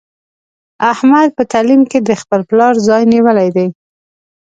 احمد په تعلیم کې د خپل پلار ځای نیولی دی.